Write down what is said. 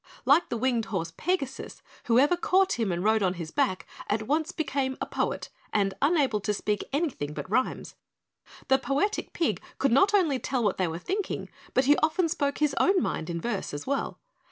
Like the winged horse Pegasus, whoever caught him and rode on his back at once became a poet and unable to speak anything but rhymes. The poetic pig could not only tell what they were thinking, but he often spoke his own mind in verse as well.